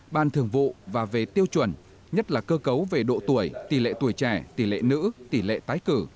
ban thường vụ và về tiêu chuẩn nhất là cơ cấu về độ tuổi tỷ lệ tuổi trẻ tỷ lệ nữ tỷ lệ tái cử